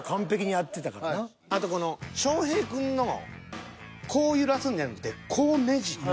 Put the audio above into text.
あとこの翔平くんのこう揺らすんじゃなくてこうねじり。